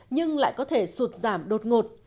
nhưng lại có thể sụt giảm đột ngột